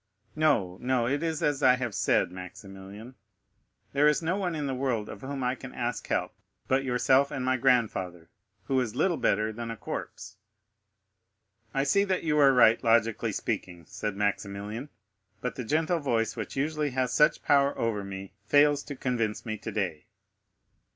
No, no; it is as I have said, Maximilian,—there is no one in the world of whom I can ask help but yourself and my grandfather, who is little better than a corpse—no support to cling to but my mother in heaven!" "I see that you are right, logically speaking," said Maximilian; "but the gentle voice which usually has such power over me fails to convince me today."